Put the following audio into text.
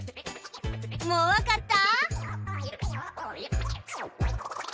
もうわかった？